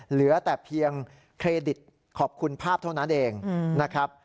เหลือแต่เพียงเครดิตขอบคุณภาพเท่านั้นเองนะครับ